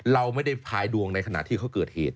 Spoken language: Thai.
เราไม่ได้พายดวงในขณะที่เขาเกิดเหตุ